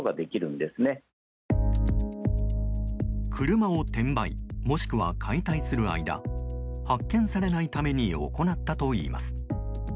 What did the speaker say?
車を転売、もしくは解体する間発見されないために行ったといいます。